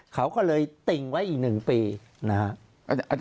เขาก็เลยติ่งไว้อีก๑ปี